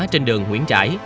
trên đường nguyễn trãi